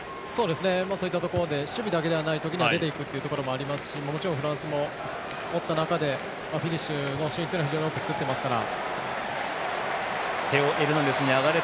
そういったところで守備だけではないところで出て行くというところもありますしもちろん、フランスも持った中でフィニッシュのシーンは非常に多く作っていますから。